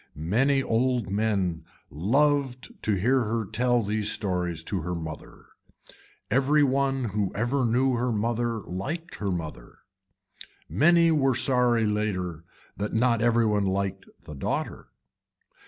Many old men loved to hear her tell these stories to her mother. Every one who ever knew her mother liked her mother. Many were sorry later that not every one liked the daughter.